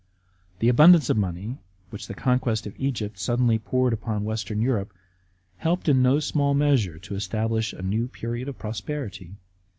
The abundance of money which the conquest of Egypt suddenly poured upon Western Europe helped in no small measure to establish a new period of prosperity.